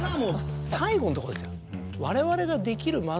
最後のとこですよ。